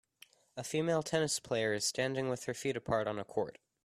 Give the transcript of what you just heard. A female tennis player is standing with her feet apart on a court.